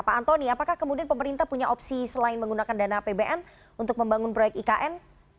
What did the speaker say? pak antoni apakah kemudian pemerintah punya opsi selain menggunakan dana apbn untuk membangun proyek ikn